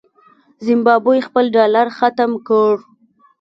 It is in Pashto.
زمبابوې خپل ډالر ختم کړ.